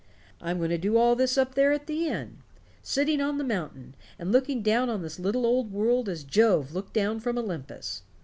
I'm going to do all this up there at the inn sitting on the mountain and looking down on this little old world as Jove looked down from Olympus."